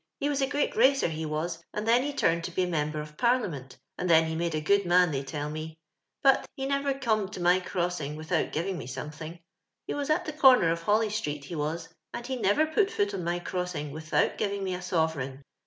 He was a great ra^er, he was, and then he tunioil to bt? member of parliament, and tlh.'n he made a good mnn they tell me; but, he never conied over my crossing without giviij.:: me something, lie was at the comer of U..lly Street, he was, and he never put foot (»n my crossing without giving me a sovereign.